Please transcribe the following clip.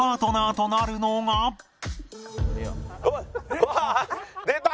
うわっ出た！